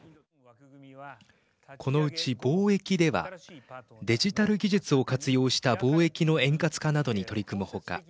このうち、貿易ではデジタル技術を活用した貿易の円滑化などに取り組む他